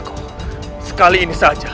khusus dia kan sangat jauh